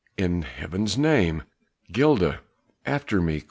in Heaven's name! Gilda! After me!